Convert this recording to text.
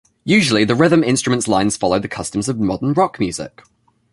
Usually, the rhythm instrument lines follow the customs of modern rock music.